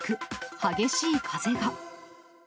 激しい風が。